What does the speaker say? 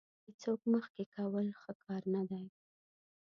هېڅوک مخکې کول ښه کار نه دی.